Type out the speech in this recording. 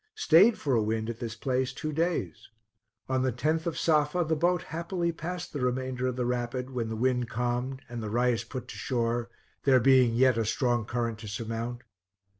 Stayed for a wind at this place two days. On the 10th of Safa, the boat happily passed the remainder of the rapid, when the wind calmed, and the Rais put to shore, there being yet a strong current to surmount.